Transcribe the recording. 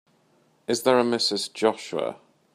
Is there a Mrs. Joshua?